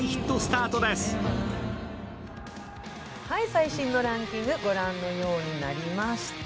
最新のランキング御覧のようになりました。